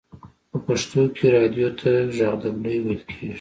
په پښتو کې رادیو ته ژغ ډبلی ویل کیږی.